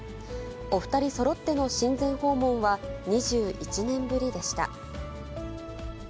お２人そろっての親善訪問は２１年ぶりでした。